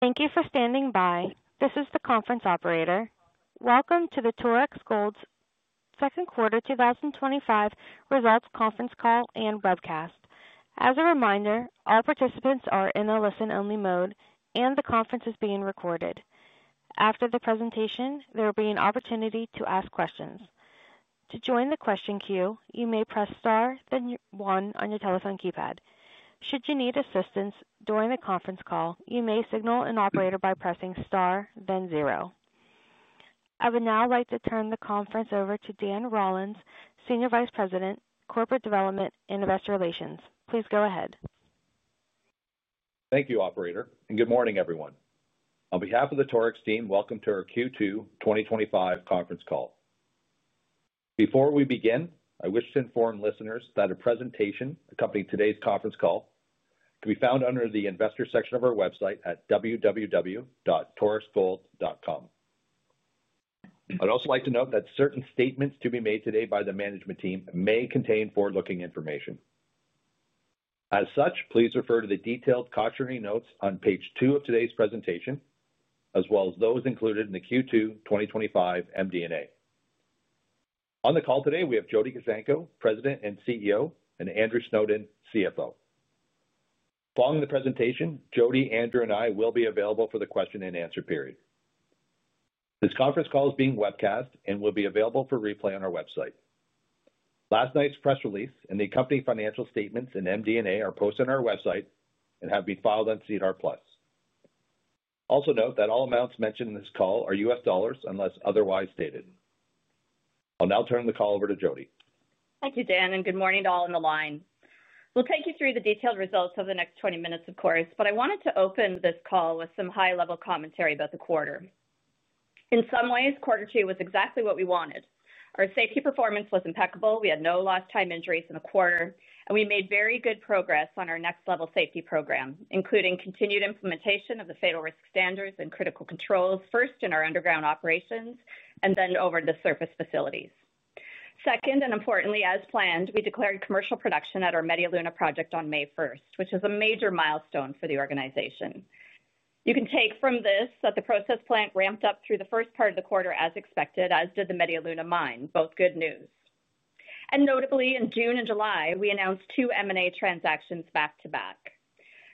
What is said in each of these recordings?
Thank you for standing by. This is the conference operator. Welcome to the Torex Gold Second Quarter 2025 Results Conference Call and Webcast. As a reminder, all participants are in a listen-only mode, and the conference is being recorded. After the presentation, there will be an opportunity to ask questions. To join the question queue, you may press star, then one on your telephone keypad. Should you need assistance during the conference call, you may signal an operator by pressing star, then zero. I would now like to turn the conference over to Dan Rollins, Senior Vice President, Corporate Development and Investor Relations. Please go ahead. Thank you, Operator, and good morning, everyone. On behalf of the Torex team, welcome to our Q2 2025 Conference Call. Before we begin, I wish to inform listeners that a presentation accompanying today's conference call can be found under the investor section of our website at www.torexgold.com. I'd also like to note that certain statements to be made today by the management team may contain forward-looking information. As such, please refer to the detailed cautionary notes on page two of today's presentation, as well as those included in the Q2 2025 MD&A. On the call today, we have Jody Kuzenko, President and CEO, and Andrew Snowden, CFO. Following the presentation, Jody, Andrew, and I will be available for the question and answer period. This conference call is being webcast and will be available for replay on our website. Last night's press release and the company financial statements and MD&A are posted on our website and have been filed on SEDAR+. Also note that all amounts mentioned in this call are U.S. dollars unless otherwise stated. I'll now turn the call over to Jody. Thank you, Dan, and good morning to all on the line. We'll take you through the detailed results over the next 20 minutes, of course, but I wanted to open this call with some high-level commentary about the quarter. In some ways, quarter two was exactly what we wanted. Our safety performance was impeccable. We had no lost time injuries in the quarter, and we made very good progress on our next-level safety program, including continued implementation of the fatal risk standards and critical controls, first in our underground operations and then over the surface facilities. Second, and importantly, as planned, we declared commercial production at our Media Luna project on May 1st, which is a major milestone for the organization. You can take from this that the process plant ramped up through the first part of the quarter as expected, as did the Media Luna mine, both good news. Notably, in June and July, we announced two M&A transactions back to back: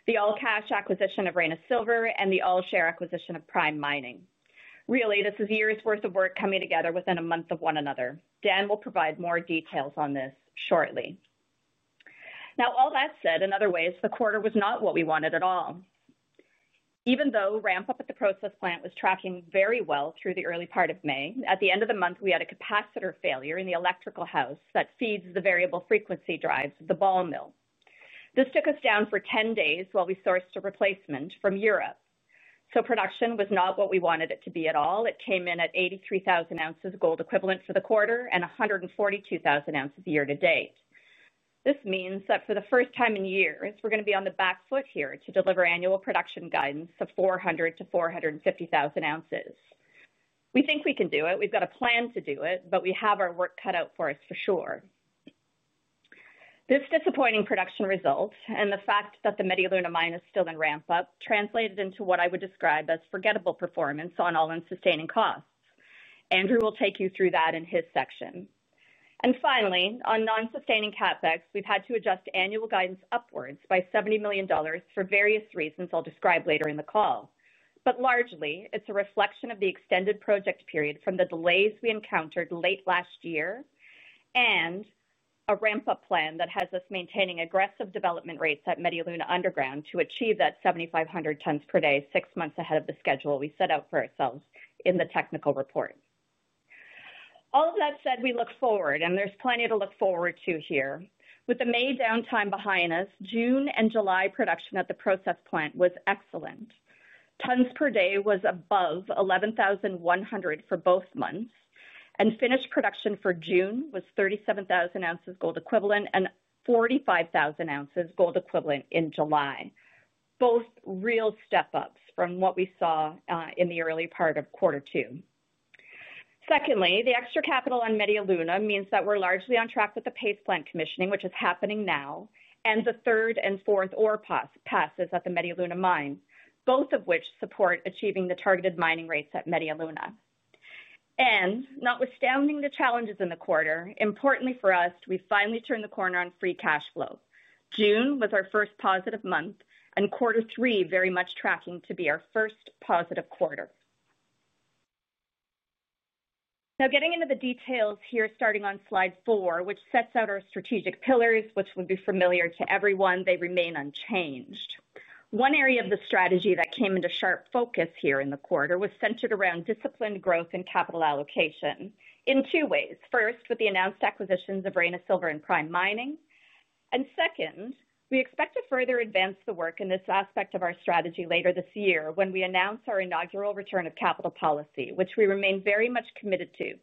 the all-cash acquisition of Reyna Silver and the all-share acquisition of Prime Mining. Really, this is years' worth of work coming together within a month of one another. Dan will provide more details on this shortly. Now, all that said, in other ways, the quarter was not what we wanted at all. Even though ramp-up at the process plant was tracking very well through the early part of May, at the end of the month, we had a capacitor failure in the electrical house that feeds the variable frequency drives of the ball mill. This took us down for 10 days while we sourced a replacement from Europe. Production was not what we wanted it to be at all. It came in at 83,000 ounces of gold equivalent for the quarter and 142,000 ounces year to date. This means that for the first time in years, we're going to be on the back foot here to deliver annual production guidance of 400,000 ounces-450,000 ounces. We think we can do it. We've got a plan to do it, but we have our work cut out for us for sure. This disappointing production result and the fact that the Media Luna mine is still in ramp-up translated into what I would describe as forgettable performance on all unsustaining costs. Andrew will take you through that in his section. Finally, on non-sustaining CapEx, we've had to adjust annual guidance upwards by $70 million for various reasons I'll describe later in the call. Largely, it's a reflection of the extended project period from the delays we encountered late last year and a ramp-up plan that has us maintaining aggressive development rates at Media Luna underground to achieve that 7,500 tons per day, six months ahead of the schedule we set out for ourselves in the technical report. All of that said, we look forward, and there's plenty to look forward to here. With the May downtime behind us, June and July production at the process plant was excellent. Tons per day was above 11,100 for both months, and finished production for June was 37,000 ounces of gold equivalent and 45,000 ounces of gold equivalent in July. Both real step-ups from what we saw in the early part of quarter two. The extra capital on Media Luna means that we're largely on track with the paved plant commissioning, which is happening now, and the third and fourth ORPAS passes at the Media Luna mine, both of which support achieving the targeted mining rates at Media Luna. Notwithstanding the challenges in the quarter, importantly for us, we finally turned the corner on free cash flow. June was our first positive month, and quarter three very much tracking to be our first positive quarter. Now, getting into the details here, starting on slide four, which sets out our strategic pillars, which will be familiar to everyone, they remain unchanged. One area of the strategy that came into sharp focus here in the quarter was centered around disciplined growth and capital allocation in two ways. First, with the announced acquisitions of Reyna Silver and Prime Mining. We expect to further advance the work in this aspect of our strategy later this year when we announce our inaugural return of capital policy, which we remain very much committed to. I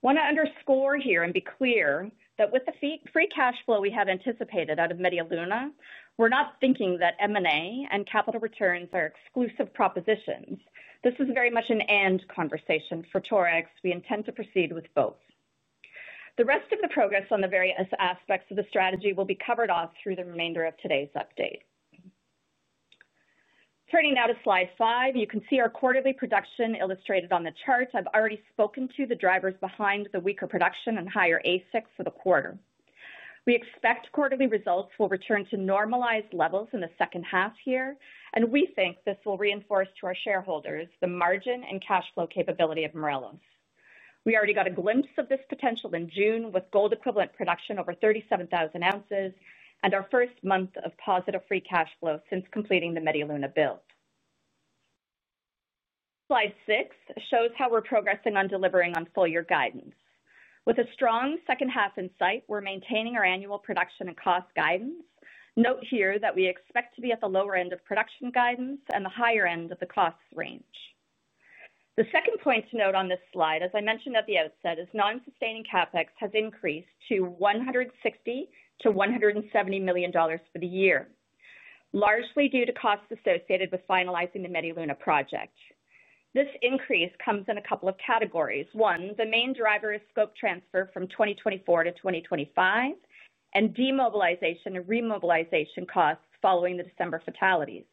want to underscore here and be clear that with the free cash flow we have anticipated out of Media Luna, we're not thinking that M&A and capital returns are exclusive propositions. This is very much an and conversation for Torex. We intend to proceed with both. The rest of the progress on the various aspects of the strategy will be covered off through the remainder of today's update. Turning now to slide five, you can see our quarterly production illustrated on the chart. I've already spoken to the drivers behind the weaker production and higher ASIC for the quarter. We expect quarterly results will return to normalized levels in the second half here, and we think this will reinforce to our shareholders the margin and cash flow capability of Morelos. We already got a glimpse of this potential in June with gold equivalent production over 37,000 ounces and our first month of positive free cash flow since completing the Media Luna build. Slide six shows how we're progressing on delivering on full-year guidance. With a strong second half in sight, we're maintaining our annual production and cost guidance. Note here that we expect to be at the lower end of production guidance and the higher end of the cost range. The second point to note on this slide, as I mentioned at the outset, is non-sustaining CapEx has increased to $160 million-$170 million for the year, largely due to costs associated with finalizing the Media Luna project. This increase comes in a couple of categories. One, the main driver is scope transfer from 2024 to 2025 and demobilization and remobilization costs following the December fatalities.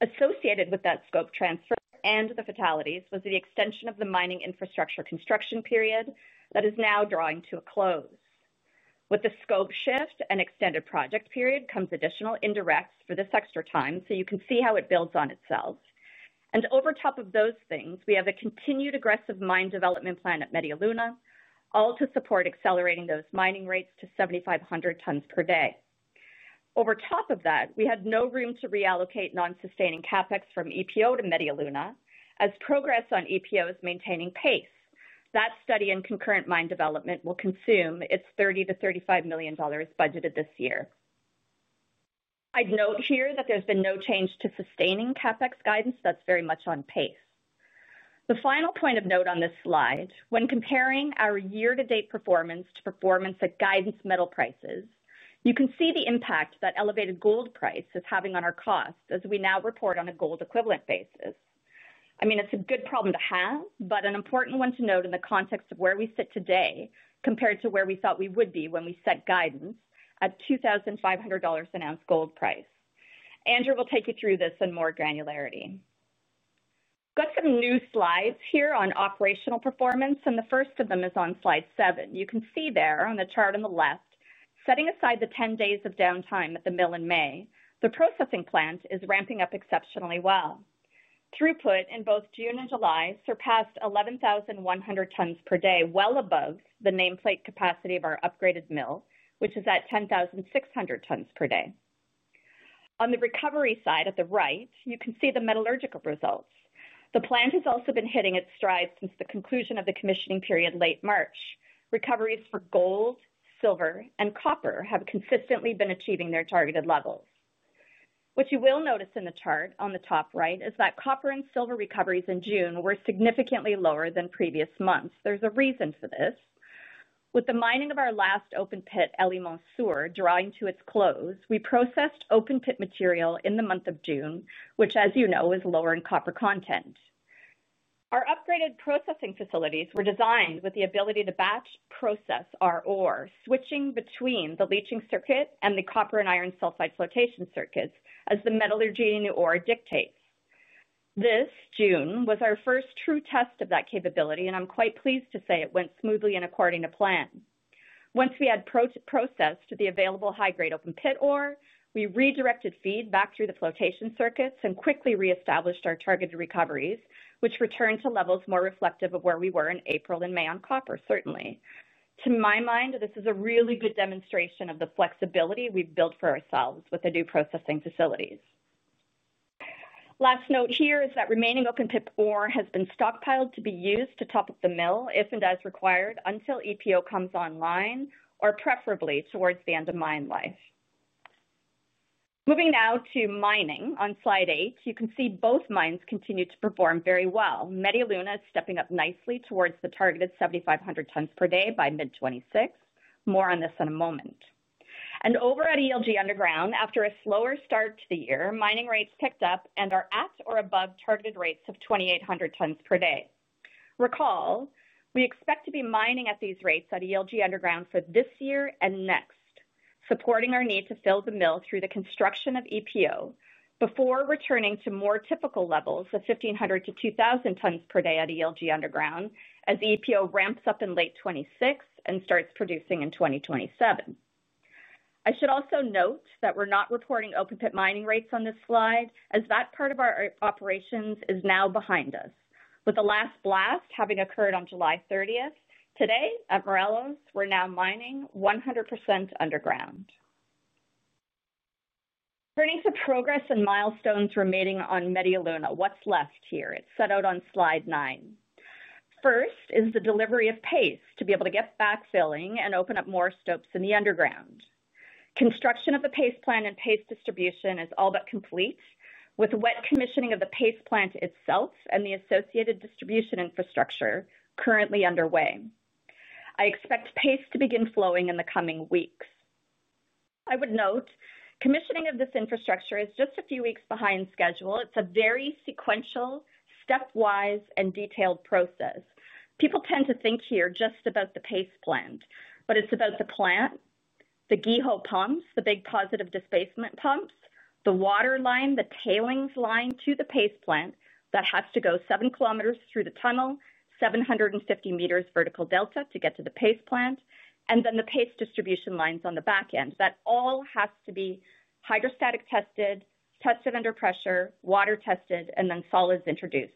Associated with that scope transfer and the fatalities was the extension of the mining infrastructure construction period that is now drawing to a close. With the scope shift and extended project period comes additional indirects for this extra time, so you can see how it builds on itself. Over top of those things, we have a continued aggressive mine development plan at Media Luna, all to support accelerating those mining rates to 7,500 tons per day. Over top of that, we had no room to reallocate non-sustaining CapEx from EPO to Media Luna, as progress on EPO is maintaining pace. That study in concurrent mine development will consume its $30 million-$35 million budgeted this year. I'd note here that there's been no change to sustaining CapEx guidance. That's very much on pace. The final point of note on this slide, when comparing our year-to-date performance to performance at guidance metal prices, you can see the impact that elevated gold price is having on our cost as we now report on a gold equivalent basis. I mean, it's a good problem to have, but an important one to note in the context of where we sit today compared to where we thought we would be when we set guidance at $2,500 an ounce gold price. Andrew will take you through this in more granularity. Got some new slides here on operational performance, and the first of them is on slide seven. You can see there on the chart on the left, setting aside the 10 days of downtime at the mill in May, the process plant is ramping up exceptionally well. Throughput in both June and July surpassed 11,100 tons per day, well above the nameplate capacity of our upgraded mill, which is at 10,600 tons per day. On the recovery side at the right, you can see the metallurgical results. The plant has also been hitting its strides since the conclusion of the commissioning period late March. Recoveries for gold, silver, and copper have consistently been achieving their targeted levels. What you will notice in the chart on the top right is that copper and silver recoveries in June were significantly lower than previous months. There's a reason for this. With the mining of our last open pit, El Limón Sur, drawing to its close, we processed open pit material in the month of June, which, as you know, is lower in copper content. Our upgraded processing facilities were designed with the ability to batch process our ore, switching between the leaching circuit and the copper and iron sulfide flotation circuits as the metallurgy in the ore dictates. This June was our first true test of that capability, and I'm quite pleased to say it went smoothly and according to plan. Once we had processed the available high-grade open pit ore, we redirected feed back through the flotation circuits and quickly reestablished our targeted recoveries, which returned to levels more reflective of where we were in April and May on copper, certainly. To my mind, this is a really good demonstration of the flexibility we've built for ourselves with the new processing facilities. Last note here is that remaining open pit ore has been stockpiled to be used to top up the mill if and as required until EPO comes online, or preferably towards the end of mine life. Moving now to mining on slide eight, you can see both mines continue to perform very well. Media Luna is stepping up nicely towards the targeted 7,500 tons per day by mid-2026. More on this in a moment. Over at ELG Underground, after a slower start to the year, mining rates picked up and are at or above targeted rates of 2,800 tons per day. Recall, we expect to be mining at these rates at ELG Underground for this year and next, supporting our need to fill the mill through the construction of EPO before returning to more typical levels of 1,500 tons per day-2,000 tons per day at ELG Underground as EPO ramps up in late 2026 and starts producing in 2027. I should also note that we're not reporting open pit mining rates on this slide as that part of our operations is now behind us. With the last blast having occurred on July 30th, today at Morelos, we're now mining 100% underground. Turning to progress and milestones remaining on Media Luna, what's left here? It's set out on slide nine. First is the delivery of paste to be able to get backfilling and open up more stopes in the underground. Construction of the paste plant and paste distribution is all but complete, with wet commissioning of the paste plant itself and the associated distribution infrastructure currently underway. I expect paste to begin flowing in the coming weeks. I would note commissioning of this infrastructure is just a few weeks behind schedule. It's a very sequential, step-wise, and detailed process. People tend to think here just about the paste plant, but it's about the plant, the GEHO pumps, the big positive displacement pumps, the water line, the tailings line to the paste plant that has to go 7 km through the tunnel, 750 m vertical delta to get to the paste plant, and then the paste distribution lines on the back end that all have to be hydrostatic tested, tested under pressure, water tested, and then solids introduced.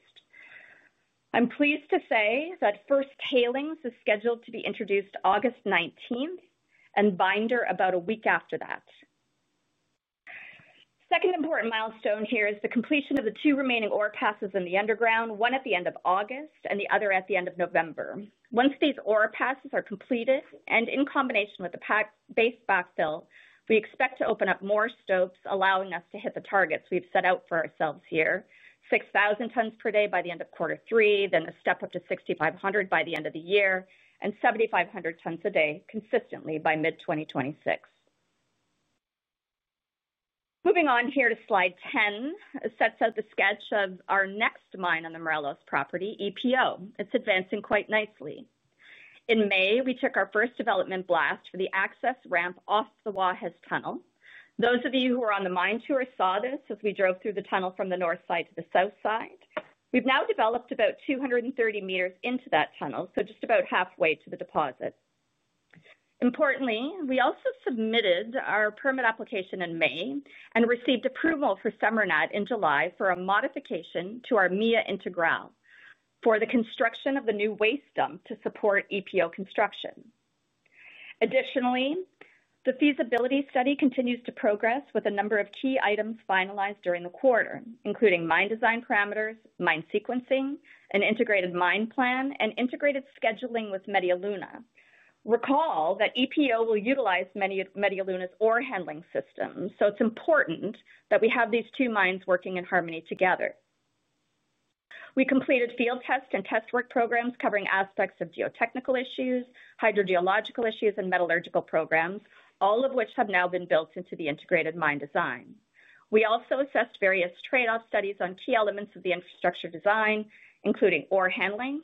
I'm pleased to say that first tailings is scheduled to be introduced August 19th and binder about a week after that. Second important milestone here is the completion of the two remaining ore passes in the underground, one at the end of August and the other at the end of November. Once these ore passes are completed and in combination with the paste-based backfill, we expect to open up more stopes, allowing us to hit the targets we've set out for ourselves here: 6,000 tons per day by the end of quarter three, then a step up to 6,500 tons per day by the end of the year, and 7,500 tons a day consistently by mid-2026. Moving on here to slide 10, it sets out the sketch of our next mine on the Morelos property, EPO. It's advancing quite nicely. In May, we took our first development blast for the access ramp off the Guajes tunnel. Those of you who were on the mine tour saw this as we drove through the tunnel from the north side to the south side. We've now developed about 230 m into that tunnel, so just about halfway to the deposit. Importantly, we also submitted our permit application in May and received approval from SEMARNAT in July for a modification to our MIA Integral for the construction of the new waste dump to support EPO construction. Additionally, the feasibility study continues to progress with a number of key items finalized during the quarter, including mine design parameters, mine sequencing, an integrated mine plan, and integrated scheduling with Media Luna. Recall that EPO will utilize Media Luna's ore handling system, so it's important that we have these two mines working in harmony together. We completed field test and test work programs covering aspects of geotechnical issues, hydrogeological issues, and metallurgical programs, all of which have now been built into the integrated mine design. We also assessed various trade-off studies on key elements of the infrastructure design, including ore handling,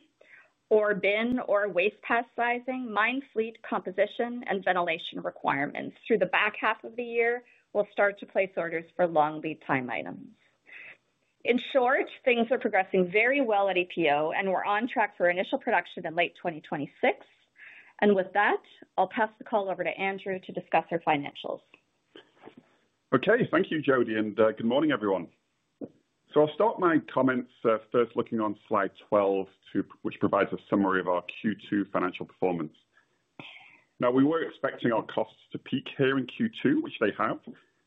ore bin or waste pass sizing, mine fleet composition, and ventilation requirements. Through the back half of the year, we'll start to place orders for long lead time items. In short, things are progressing very well at EPO, and we're on track for initial production in late 2026. With that, I'll pass the call over to Andrew to discuss our financials. Okay, thank you, Jody, and good morning, everyone. I'll start my comments first looking on slide 12, which provides a summary of our Q2 financial performance. We were expecting our costs to peak here in Q2, which they have,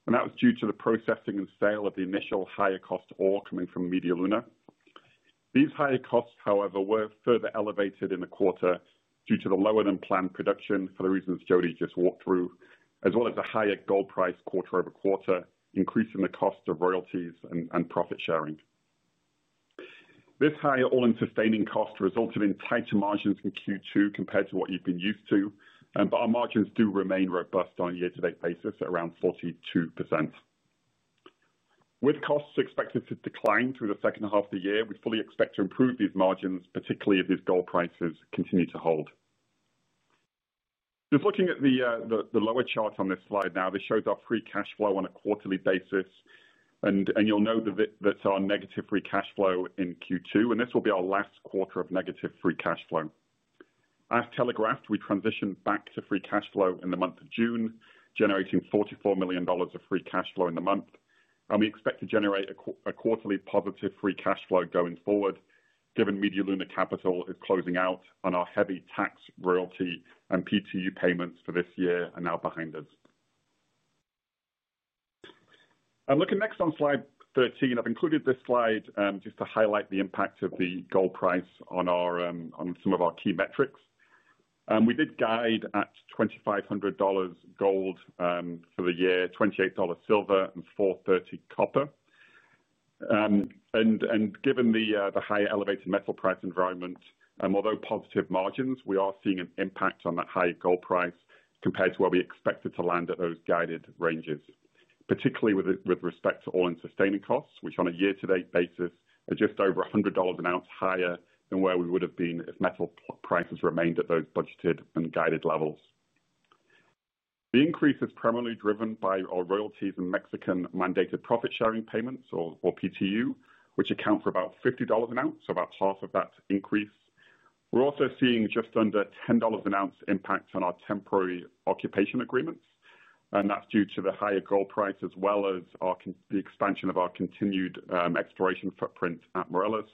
and that was due to the processing and sale of the initial higher cost ore coming from Media Luna. These higher costs, however, were further elevated in the quarter due to the lower than planned production for the reasons Jody just walked through, as well as a higher gold price quarter-over-quarter, increasing the cost of royalties and profit sharing. This higher all-in sustaining cost resulted in tighter margins in Q2 compared to what you've been used to, but our margins do remain robust on a year-to-date basis at around 42%. With costs expected to decline through the second half of the year, we fully expect to improve these margins, particularly as these gold prices continue to hold. Just looking at the lower chart on this slide now, this shows our free cash flow on a quarterly basis, and you'll note our negative free cash flow in Q2, and this will be our last quarter of negative free cash flow. As telegraphed, we transitioned back to free cash flow in the month of June, generating $44 million of free cash flow in the month, and we expect to generate a quarterly positive free cash flow going forward, given Media Luna capital is closing out on our heavy tax royalty and PTU payments for this year and now behind us. Looking next on slide 13, I've included this slide just to highlight the impact of the gold price on some of our key metrics. We did guide at $2,500 gold for the year, $28 silver, and $430 copper. Given the higher elevated metal price environment, although positive margins, we are seeing an impact on that higher gold price compared to where we expected to land at those guided ranges, particularly with respect to all-in sustaining costs, which on a year-to-date basis are just over $100 an ounce higher than where we would have been if metal prices remained at those budgeted and guided levels. The increase is primarily driven by our royalties and Mexican-mandated profit sharing payments or PTU, which account for about $50 an ounce, so about half of that increase. We're also seeing just under $10 an ounce impact on our temporary occupation agreements, and that's due to the higher gold price as well as the expansion of our continued exploration footprint at Morelos,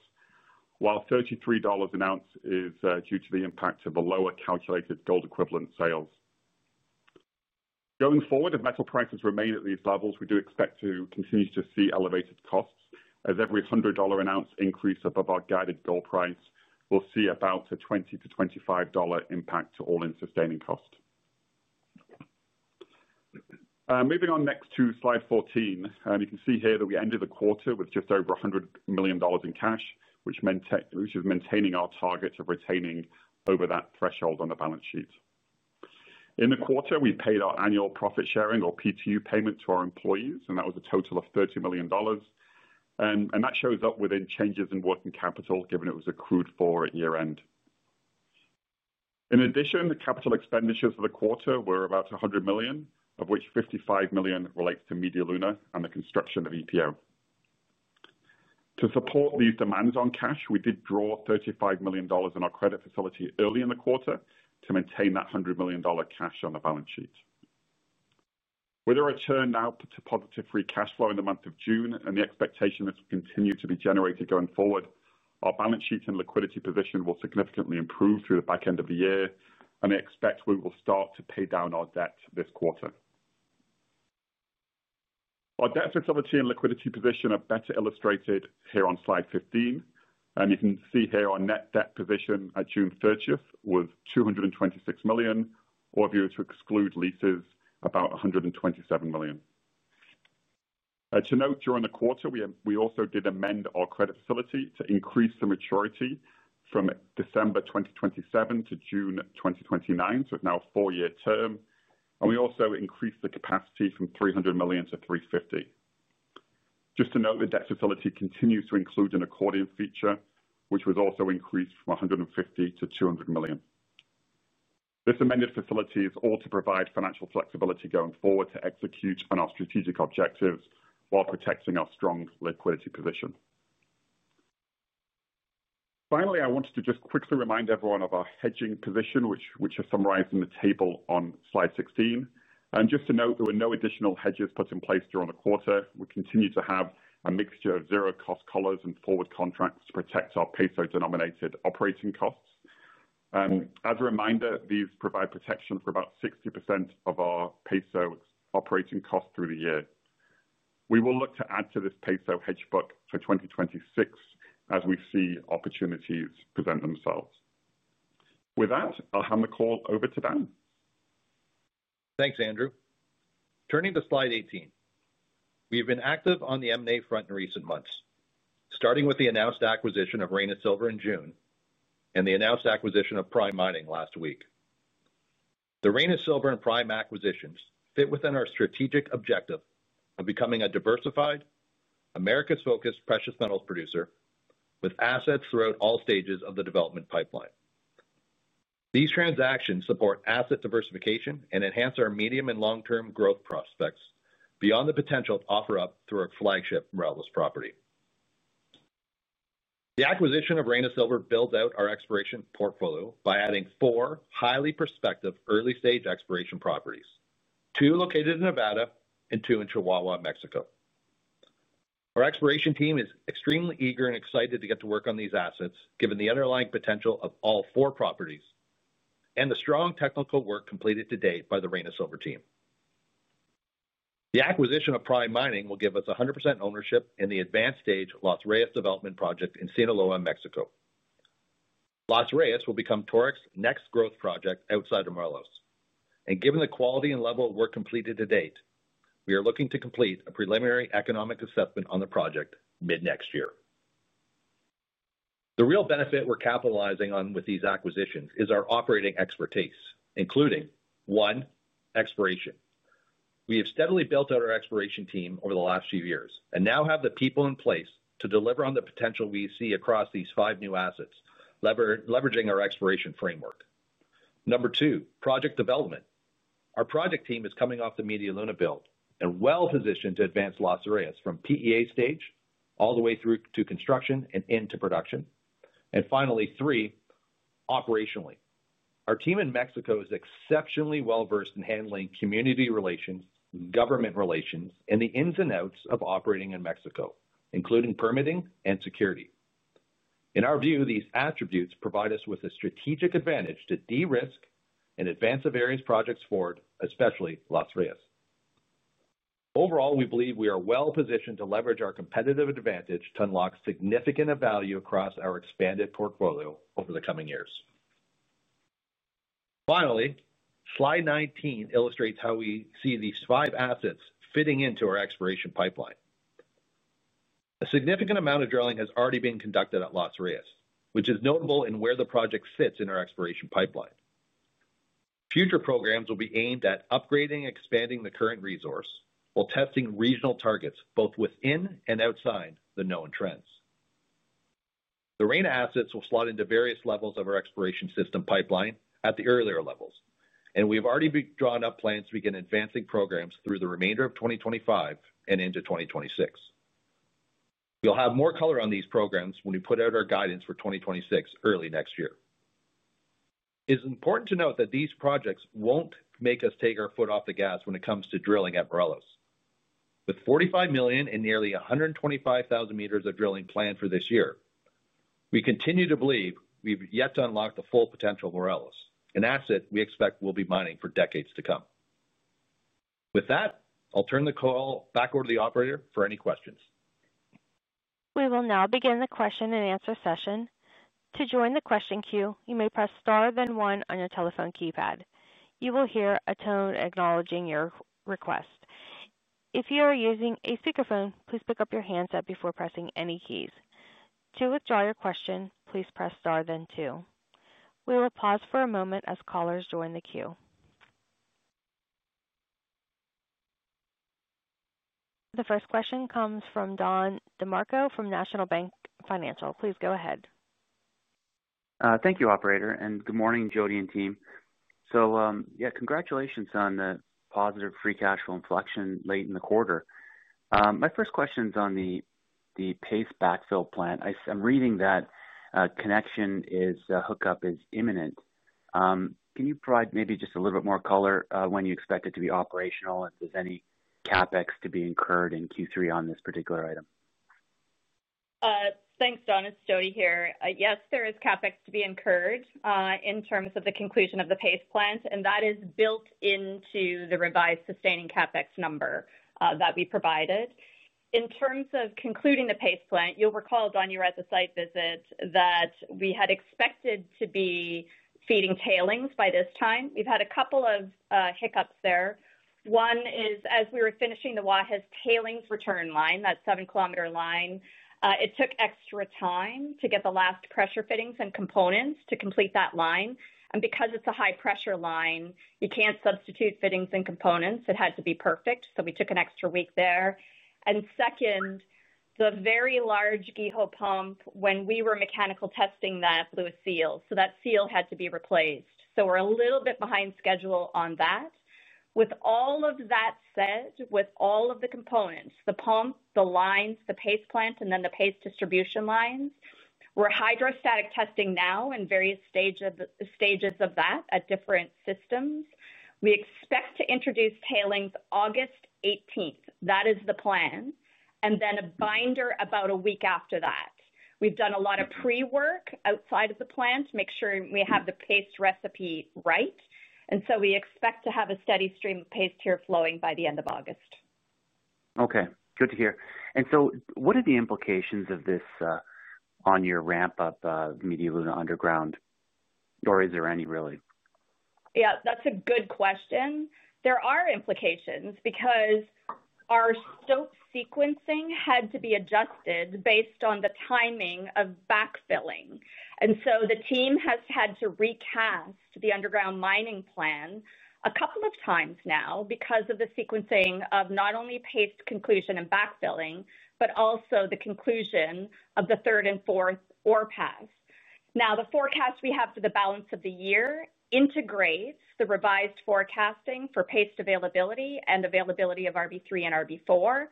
while $33 an ounce is due to the impact of a lower calculated gold equivalent sales. Going forward, if metal prices remain at these levels, we do expect to continue to see elevated costs, as every $100 an ounce increase above our guided gold price will see about a $20-$25 impact to all-in sustaining cost. Moving on next to slide 14, you can see here that we ended the quarter with just over $100 million in cash, which is maintaining our target of retaining over that threshold on the balance sheet. In the quarter, we paid our annual profit sharing or PTU payment to our employees, and that was a total of $30 million. That shows up within changes in working capital, given it was accrued for year-end. In addition, the capital expenditures for the quarter were about $100 million, of which $55 million relates to Media Luna and the construction of EPO. To support these demands on cash, we did draw $35 million in our credit facility early in the quarter to maintain that $100 million cash on the balance sheet. With a return now to positive free cash flow in the month of June and the expectation this will continue to be generated going forward, our balance sheet and liquidity position will significantly improve through the back end of the year, and I expect we will start to pay down our debt this quarter. Our debt flexibility and liquidity position are better illustrated here on slide 15. You can see here our net debt position at June 30th was $226 million, or if you were to exclude leases, about $127 million. To note, during the quarter, we also did amend our credit facility to increase the maturity from December 2027 to June 2029, so it's now a four-year term. We also increased the capacity from $300 million to $350 million. Just to note, the debt facility continues to include an accordion feature, which was also increased from $150 million to $200 million. This amended facility is all to provide financial flexibility going forward to execute on our strategic objectives while protecting our strong liquidity position. Finally, I wanted to just quickly remind everyone of our hedging position, which is summarized in the table on slide 16. Just to note, there were no additional hedges put in place during the quarter. We continue to have a mixture of zero-cost collars and forward contracts to protect our peso-denominated operating costs. As a reminder, these provide protection for about 60% of our peso operating costs through the year. We will look to add to this peso hedge book for 2026 as we see opportunities present themselves. With that, I'll hand the call over to Dan. Thanks, Andrew. Turning to slide 18, we have been active on the M&A front in recent months, starting with the announced acquisition of Reyna Silver in June and the announced acquisition of Prime Mining last week. The Reyna Silver and Prime acquisitions fit within our strategic objective of becoming a diversified, America-focused precious metals producer with assets throughout all stages of the development pipeline. These transactions support asset diversification and enhance our medium and long-term growth prospects beyond the potential to offer up through our flagship Morelos property. The acquisition of Reyna Silver builds out our exploration portfolio by adding four highly prospective early-stage exploration properties, two located in Nevada and two in Chihuahua, Mexico. Our exploration team is extremely eager and excited to get to work on these assets, given the underlying potential of all four properties and the strong technical work completed to date by the Reyna Silver team. The acquisition of Prime Mining will give us 100% ownership in the advanced stage Los Reyes project in Sinaloa, Mexico. Los Reyes will become Torex's next growth project outside of Morelos. Given the quality and level of work completed to date, we are looking to complete a preliminary economic assessment on the project mid-next year. The real benefit we're capitalizing on with these acquisitions is our operating expertise, including one, exploration. We have steadily built out our exploration team over the last few years and now have the people in place to deliver on the potential we see across these five new assets, leveraging our exploration framework. Number two, project development. Our project team is coming off the Media Luna build and well positioned to advance Los Reyes from PEA stage all the way through to construction and into production. Finally, three, operationally. Our team in Mexico is exceptionally well-versed in handling community relations, government relations, and the ins and outs of operating in Mexico, including permitting and security. In our view, these attributes provide us with a strategic advantage to de-risk and advance the various projects forward, especially Los Reyes. Overall, we believe we are well positioned to leverage our competitive advantage to unlock significant value across our expanded portfolio over the coming years. Finally, slide 19 illustrates how we see these five assets fitting into our exploration pipeline. A significant amount of drilling has already been conducted at Los Reyes, which is notable in where the project sits in our exploration pipeline. Future programs will be aimed at upgrading and expanding the current resource while testing regional targets both within and outside the known trends. The Reyna assets will slot into various levels of our exploration system pipeline at the earlier levels, and we have already drawn up plans to begin advancing programs through the remainder of 2025 and into 2026. We'll have more color on these programs when we put out our guidance for 2026 early next year. It's important to note that these projects won't make us take our foot off the gas when it comes to drilling at Morelos. With $45 million and nearly 125,000 m of drilling planned for this year, we continue to believe we've yet to unlock the full potential of Morelos, an asset we expect we'll be mining for decades to come. With that, I'll turn the call back over to the operator for any questions. We will now begin the question and answer session. To join the question queue, you may press star then one on your telephone keypad. You will hear a tone acknowledging your request. If you are using a speakerphone, please pick up your handset before pressing any keys. To withdraw your question, please press star then two. We will pause for a moment as callers join the queue. The first question comes from Don DeMarco from National Bank Financial. Please go ahead. Thank you, Operator, and good morning, Jody and team. Congratulations on the positive free cash flow inflection late in the quarter. My first question is on the paste backfill plant. I'm reading that connection is hookup is imminent. Can you provide maybe just a little bit more color when you expect it to be operational, if there's any CapEx to be incurred in Q3 on this particular item? Thanks, Don. It's Jody here. Yes, there is CapEx to be incurred in terms of the conclusion of the paste plant, and that is built into the revised sustaining CapEx number that we provided. In terms of concluding the paste plant, you'll recall, Don, you were at the site visit that we had expected to be feeding tailings by this time. We've had a couple of hiccups there. One is as we were finishing the Guajes tailings return line, that 7 km line, it took extra time to get the last pressure fittings and components to complete that line. Because it's a high-pressure line, you can't substitute fittings and components. It had to be perfect. We took an extra week there. The very large GEHO pump, when we were mechanical testing that, blew a seal. That seal had to be replaced. We're a little bit behind schedule on that. With all of that said, with all of the components, the pump, the lines, the paste plant, and then the paste distribution lines, we're hydrostatic testing now in various stages of that at different systems. We expect to introduce tailings August 18th. That is the plan. Then a binder about a week after that. We've done a lot of pre-work outside of the plant to make sure we have the paste recipe right. We expect to have a steady stream of paste tier flowing by the end of August. Okay, good to hear. What are the implications of this on your ramp-up of Media Luna underground, or is there any really? Yeah, that's a good question. There are implications because our stope sequencing had to be adjusted based on the timing of backfilling. The team has had to recast the underground mining plan a couple of times now because of the sequencing of not only paste conclusion and backfilling, but also the conclusion of the third and fourth ORPAS. The forecast we have for the balance of the year integrates the revised forecasting for paste availability and availability of RB3 and RB4.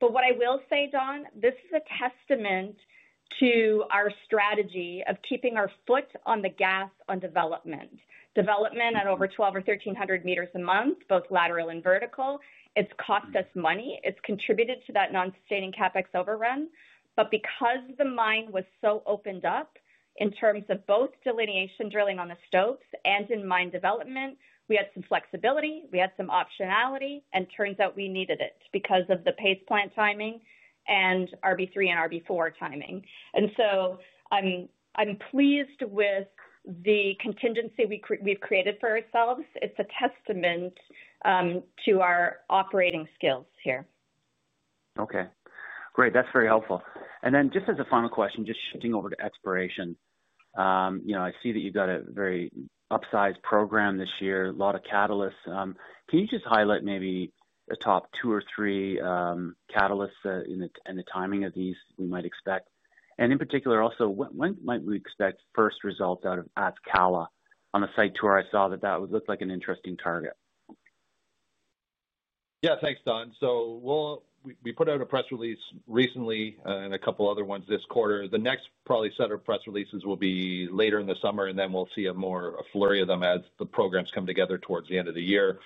What I will say, Don, this is a testament to our strategy of keeping our foot on the gas on development. Development at over 1,200 m or 1,300 m a month, both lateral and vertical, it's cost us money. It's contributed to that non-sustaining CapEx overrun. Because the mine was so opened up in terms of both delineation drilling on the stopes and in mine development, we had some flexibility, we had some optionality, and it turns out we needed it because of the paste plant timing and RB3 and RB4 timing. I'm pleased with the contingency we've created for ourselves. It's a testament to our operating skills here. Okay, great. That's very helpful. Just as a final question, shifting over to exploration, I see that you've got a very upsized program this year, a lot of catalysts. Can you highlight maybe a top two or three catalysts and the timing of these we might expect? In particular, also, when might we expect first results out of Atzcala? On the site tour, I saw that that would look like an interesting target. Yeah, thanks, Don. We put out a press release recently and a couple other ones this quarter. The next probably set of press releases will be later in the summer, and then we'll see a more flurry of them as the programs come together towards the end of the year.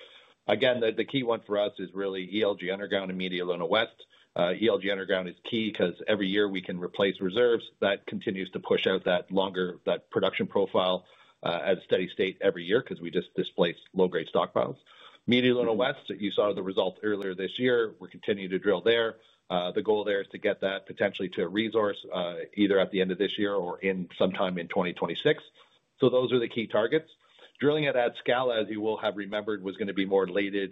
Again, the key one for us is really ELG Underground and Media Luna West. ELG Underground is key because every year we can replace reserves. That continues to push out that longer production profile at a steady state every year because we just displace low-grade stockpiles. Media Luna West, you saw the results earlier this year. We're continuing to drill there. The goal there is to get that potentially to a resource either at the end of this year or sometime in 2026. Those are the key targets. Drilling at Atzcala, as you will have remembered, was going to be more later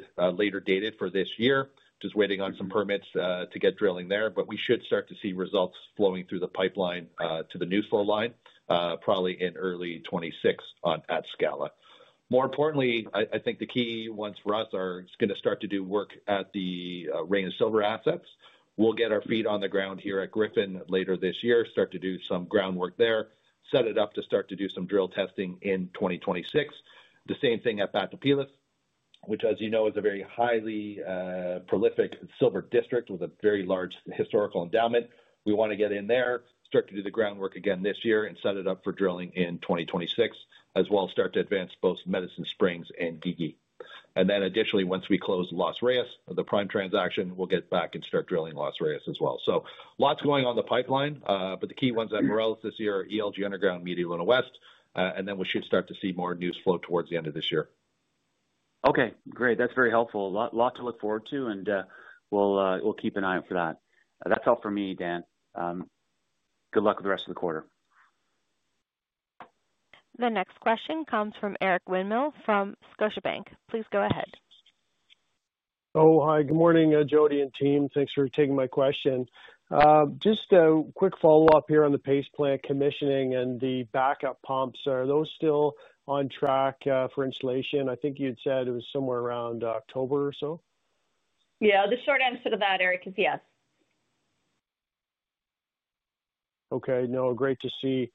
dated for this year, just waiting on some permits to get drilling there. We should start to see results flowing through the pipeline to the new flow line, probably in early 2026 on Atzcala. More importantly, I think the key ones for us are going to start to do work at the Reyna Silver assets. We'll get our feet on the ground here at Griffin later this year, start to do some groundwork there, set it up to start to do some drill testing in 2026. The same thing at Batopilas, which, as you know, is a very highly prolific silver district with a very large historical endowment. We want to get in there, start to do the groundwork again this year, and set it up for drilling in 2026, as well as start to advance both Medicine Springs and Guigui. Additionally, once we close Los Reyes, the Prime transaction, we'll get back and start drilling Los Reyes as well. Lots going on in the pipeline, but the key ones at Morelos this year are ELG Underground, Media Luna West, and then we should start to see more news flow towards the end of this year. Okay, great. That's very helpful. A lot to look forward to, and we'll keep an eye out for that. That's all for me, Dan. Good luck with the rest of the quarter. The next question comes from Eric Winmill from Scotiabank. Please go ahead. Oh, hi. Good morning, Jody and team. Thanks for taking my question. Just a quick follow-up here on the process plant commissioning and the backup pumps. Are those still on track for installation? I think you had said it was somewhere around October or so. Yeah, the short answer to that, Eric, is yes. Okay, great to see.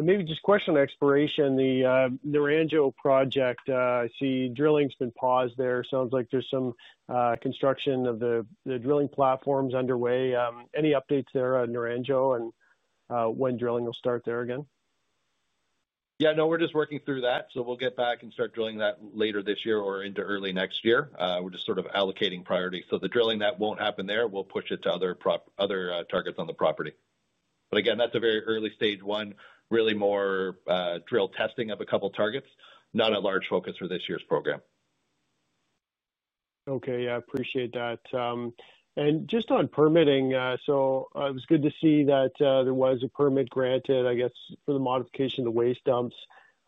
Maybe just a question on exploration. The Naranjo project, I see drilling's been paused there. It sounds like there's some construction of the drilling platforms underway. Any updates there on Naranjo and when drilling will start there again? Yeah, no, we're just working through that. We'll get back and start drilling that later this year or into early next year. We're just sort of allocating priority. The drilling that won't happen there, we'll push it to other targets on the property. Again, that's a very early stage one, really more drill testing of a couple of targets, not a large focus for this year's program. Okay, I appreciate that. Just on permitting, it was good to see that there was a permit granted, I guess, for the modification of the waste dumps.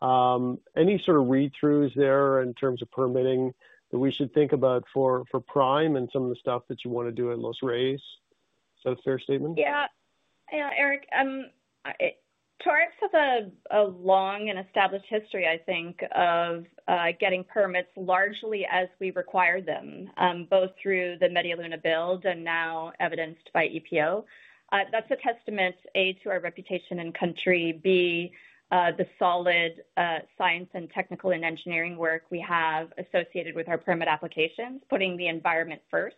Any sort of read-throughs there in terms of permitting that we should think about for Prime and some of the stuff that you want to do at Los Reyes? Is that a fair statement? Yeah, yeah, Eric, Torex has a long and established history, I think, of getting permits largely as we required them, both through the Media Luna build and now evidenced by EPO. That's a testament, A, to our reputation in country, B, the solid science and technical and engineering work we have associated with our permit applications, putting the environment first,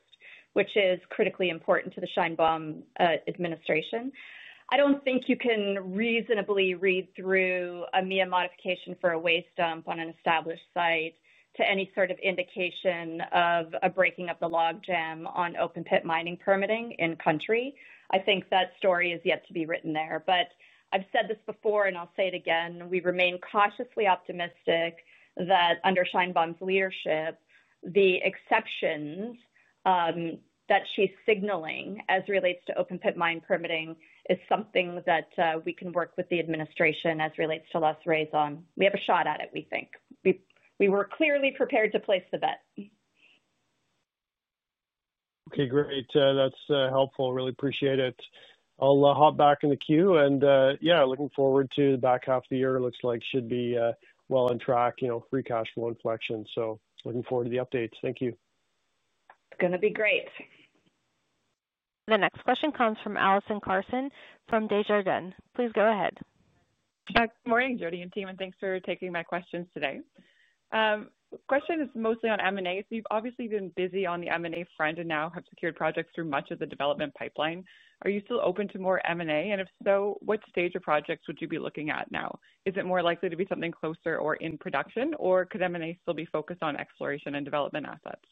which is critically important to the Sheinbaum administration. I don't think you can reasonably read through a MIA modification for a waste dump on an established site to any sort of indication of a breaking of the logjam on open pit mining permitting in country. I think that story is yet to be written there. I've said this before, and I'll say it again, we remain cautiously optimistic that under Sheinbaum's leadership, the exceptions that she's signaling as relates to open pit mine permitting is something that we can work with the administration as relates to Los Reyes on. We have a shot at it, we think. We were clearly prepared to place the bet. Okay, great. That's helpful. Really appreciate it. I'll hop back in the queue. Looking forward to the back half of the year. It looks like it should be well on track, you know, free cash flow inflection. Looking forward to the updates. Thank you. It's going to be great. The next question comes from Allison Carson from Desjardins. Please go ahead. Good morning, Jody and team, and thanks for taking my questions today. The question is mostly on M&A. You've obviously been busy on the M&A front and now have secured projects through much of the development pipeline. Are you still open to more M&A? If so, what stage of projects would you be looking at now? Is it more likely to be something closer or in production, or could M&A still be focused on exploration and development assets?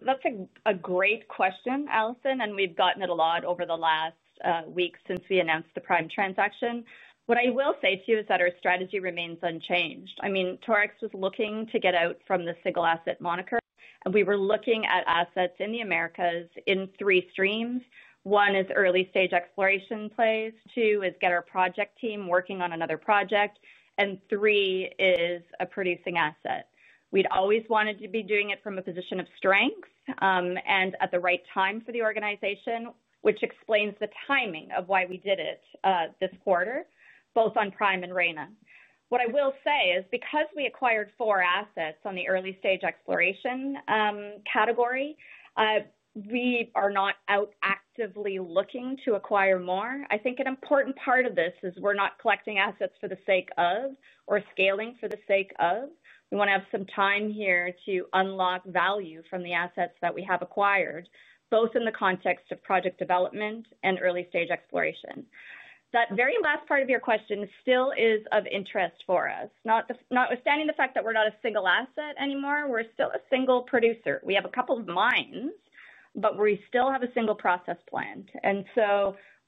That's a great question, Allison, and we've gotten it a lot over the last weeks since we announced the Prime transaction. What I will say to you is that our strategy remains unchanged. I mean, Torex was looking to get out from the single asset moniker, and we were looking at assets in the Americas in three streams. One is early stage exploration plays, two is get our project team working on another project, and three is a producing asset. We'd always wanted to be doing it from a position of strength and at the right time for the organization, which explains the timing of why we did it this quarter, both on Prime and Reyna. What I will say is because we acquired four assets on the early stage exploration category, we are not out actively looking to acquire more. I think an important part of this is we're not collecting assets for the sake of or scaling for the sake of. We want to have some time here to unlock value from the assets that we have acquired, both in the context of project development and early stage exploration. That very last part of your question still is of interest for us. Notwithstanding the fact that we're not a single asset anymore, we're still a single producer. We have a couple of mines, but we still have a single process plant.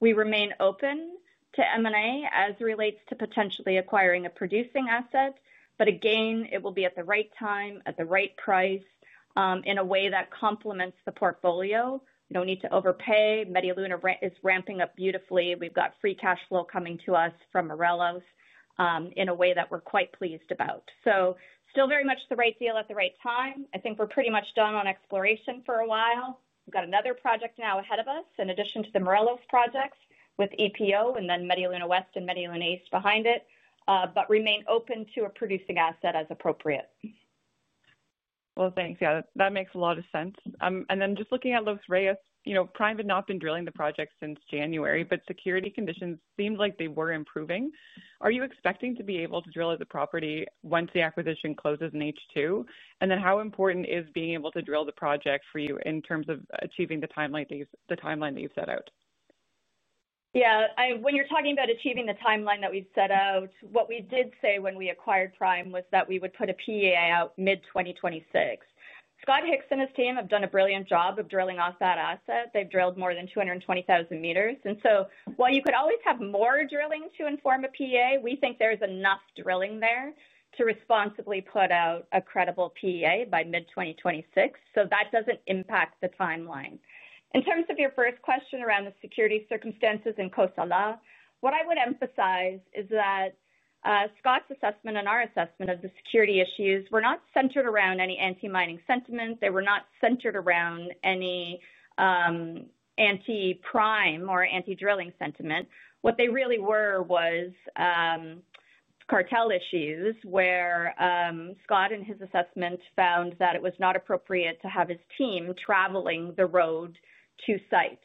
We remain open to M&A as relates to potentially acquiring a producing asset. Again, it will be at the right time, at the right price, in a way that complements the portfolio. We don't need to overpay. Media Luna is ramping up beautifully. We've got free cash flow coming to us from Morelos in a way that we're quite pleased about. Still very much the right deal at the right time. I think we're pretty much done on exploration for a while. We've got another project now ahead of us in addition to the Morelos projects with EPO and then Media Luna West and Media Luna East behind it, but remain open to a producing asset as appropriate. That makes a lot of sense. Just looking at Los Reyes, Prime had not been drilling the project since January, but security conditions seemed like they were improving. Are you expecting to be able to drill at the property once the acquisition closes in H2? How important is being able to drill the project for you in terms of achieving the timeline that you've set out? Yeah, when you're talking about achieving the timeline that we've set out, what we did say when we acquired Prime was that we would put a PEA out mid-2026. Scott Hicks and his team have done a brilliant job of drilling off that asset. They've drilled more than 220,000 m. While you could always have more drilling to inform a PEA, we think there's enough drilling there to responsibly put out a credible PEA by mid-2026. That doesn't impact the timeline. In terms of your first question around the security circumstances in Cosalá, what I would emphasize is that Scott's assessment and our assessment of the security issues were not centered around any anti-mining sentiment. They were not centered around any anti-Prime or anti-drilling sentiment. What they really were was cartel issues where Scott and his assessment found that it was not appropriate to have his team traveling the road to site.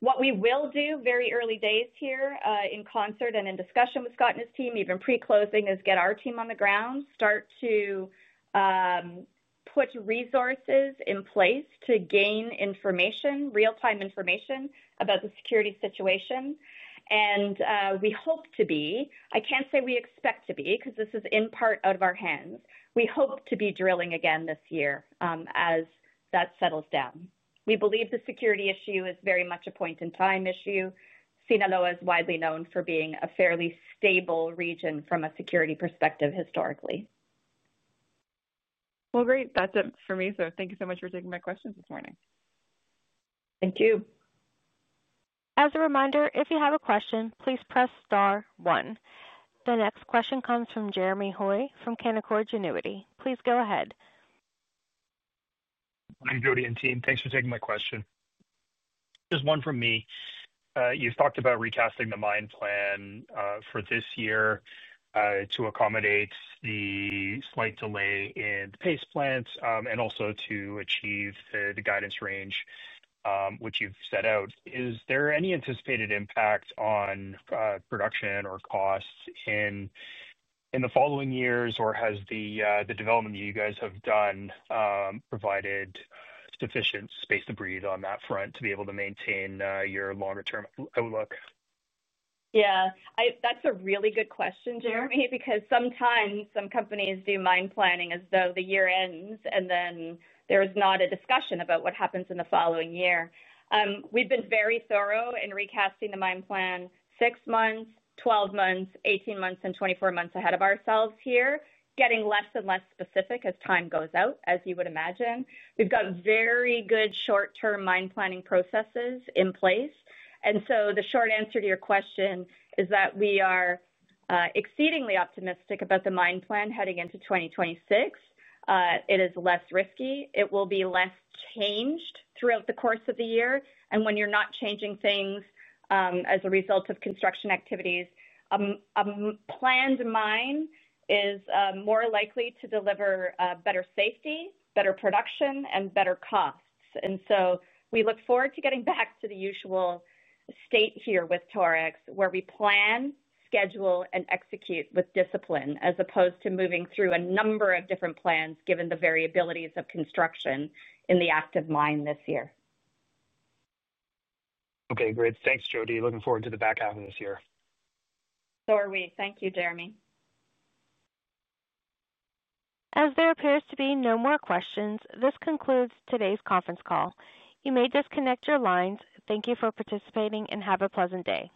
What we will do very early days here in concert and in discussion with Scott and his team, even pre-closing, is get our team on the ground, start to put resources in place to gain information, real-time information about the security situation. We hope to be, I can't say we expect to be because this is in part out of our hands, drilling again this year as that settles down. We believe the security issue is very much a point-in-time issue. Sinaloa is widely known for being a fairly stable region from a security perspective historically. That's it for me. Thank you so much for taking my questions this morning. Thank you. As a reminder, if you have a question, please press star one. The next question comes from Jeremy Hoy from Canaccord Genuity. Please go ahead. Hi, Jody and team. Thanks for taking my question. Just one from me. You've talked about recasting the mine plan for this year to accommodate the slight delay in the paste plants and also to achieve the guidance range which you've set out. Is there any anticipated impact on production or costs in the following years, or has the development that you guys have done provided sufficient space to breathe on that front to be able to maintain your longer-term outlook? Yeah, that's a really good question, Jeremy, because sometimes some companies do mine planning as though the year ends and then there's not a discussion about what happens in the following year. We've been very thorough in recasting the mine plan six months, 12 months, 18 months, and 24 months ahead of ourselves here, getting less and less specific as time goes out, as you would imagine. We've got very good short-term mine planning processes in place. The short answer to your question is that we are exceedingly optimistic about the mine plan heading into 2026. It is less risky. It will be less changed throughout the course of the year. When you're not changing things as a result of construction activities, a planned mine is more likely to deliver better safety, better production, and better costs. We look forward to getting back to the usual state here with Torex, where we plan, schedule, and execute with discipline as opposed to moving through a number of different plans given the variabilities of construction in the active mine this year. Okay, great. Thanks, Jody. Looking forward to the back half of this year. Thank you, Jeremy. As there appears to be no more questions, this concludes today's conference call. You may disconnect your lines. Thank you for participating and have a pleasant day.